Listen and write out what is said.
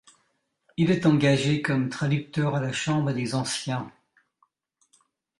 Il est engagé comme traducteur à la chambre des Anciens.